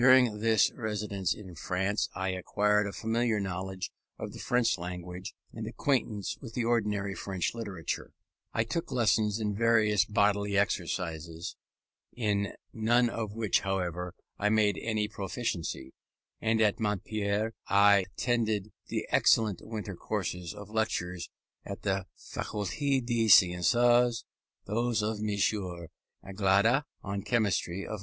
During this residence in France I acquired a familiar knowledge of the French language, and acquaintance with the ordinary French literature; I took lessons in various bodily exercises, in none of which, however, I made any proficiency; and at Montpellier I attended the excellent winter courses of lectures at the Faculté des Sciences, those of M. Anglada on chemistry, of M.